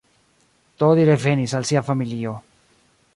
Do li revenis al sia familio.